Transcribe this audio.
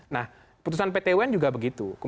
nah putusan ptwn juga begitu